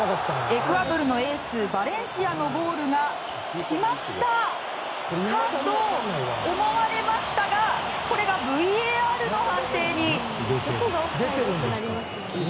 エクアドルのエースバレンシアのゴールが決まったかと思われましたがこれがＶＡＲの判定に。